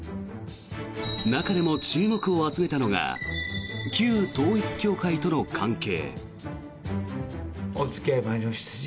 中でも注目を集めたのが旧統一教会との関係。